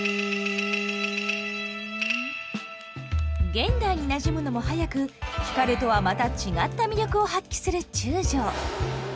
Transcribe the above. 現代になじむのも早く光とはまた違った魅力を発揮する中将。